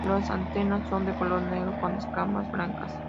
Las antenas son de color negro con escamas blancas.